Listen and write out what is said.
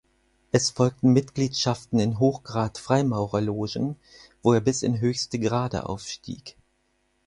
Es folgten Mitgliedschaften in Hochgrad-Freimaurerlogen, wo er bis in höchste Grade aufstieg.